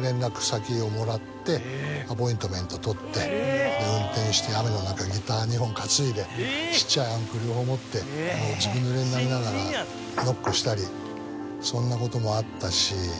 連絡先をもらってアポイントメント取って運転して雨の中ギター２本担いでちっちゃいアンプ両方持ってずぶぬれになりながらノックしたりそんなこともあったし。